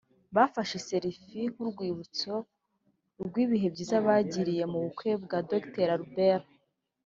Bafashe 'Selfie' nk'urwibutso rw'ibihe byiza bagiriye mu bukwe bwa Dr Albert/Ifoto